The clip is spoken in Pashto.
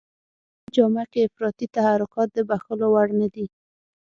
په مدني جامه کې افراطي تحرکات د بښلو وړ نه دي.